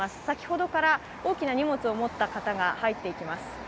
先ほどから大きな荷物を持った方が入っていきます。